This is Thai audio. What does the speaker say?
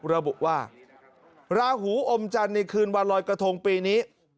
ระบุว่าราหูอมจันทร์ในคืนวันลอยกระทงปีนี้